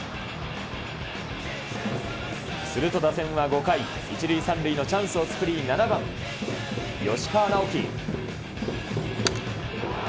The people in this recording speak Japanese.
すると、打線は５回、１塁３塁のチャンスを作り、７番吉川尚輝。